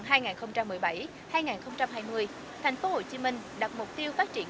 thành phố hồ chí minh đặt mục tiêu phát triển